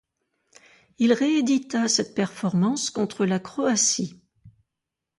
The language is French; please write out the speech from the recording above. Il réédita cette performance contre la Croatie.